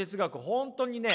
本当にね